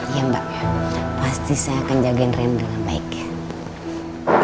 ya mbak ya pasti saya akan jagain rena dengan baik ya